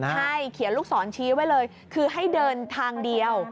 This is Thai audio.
ใช่เขียนลูกศรชี้ไว้เลยคือให้เดินทางเดียว